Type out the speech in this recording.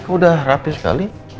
kau udah rapih sekali